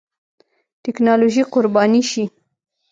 ټېکنالوژي قرباني شي.